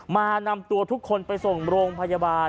มานำตัวทุกคนไปส่งโรงพยาบาล